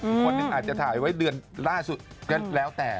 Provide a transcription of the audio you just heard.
คนหนึ่งอาจจะถ่ายไว้เดือนล่าสุดก็แล้วแต่